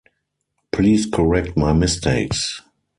Please correct my mistakes.